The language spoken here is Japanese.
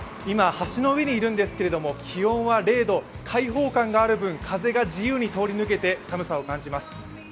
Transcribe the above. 今、橋の上にいるんですけれども気温は０度開放感がある分、風が自由に通り抜けて寒さを感じます。